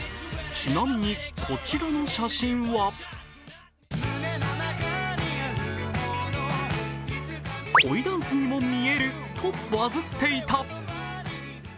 ちなみにこちらの写真は恋ダンスにも見えるとバズっていた。